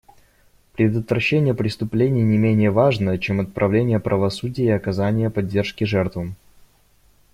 Предотвращение преступлений не менее важно, чем отправление правосудия и оказание поддержки жертвам.